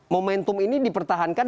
momentum ini dipertahankan